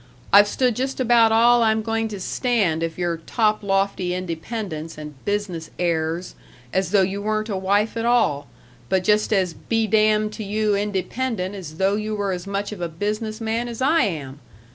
I've stood just about all I'm going to stand of your top lofty independence and business airs as though you weren't a wife at all, but just as 'be damned to you' independent as though you were as much of a business man as I am!